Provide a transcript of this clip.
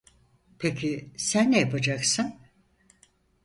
Peki sen ne yapacaksın?